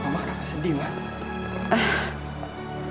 ma kenapa sedih ma